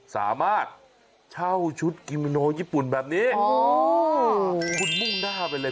สามารถเช่าชุดกิมิโนญี่ปุ่นแบบนี้คุณมุ่งหน้าไปเลย